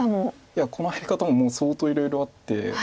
いやこの入り方ももう相当いろいろあって。